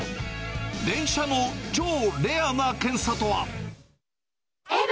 電車の超レアな検査とは。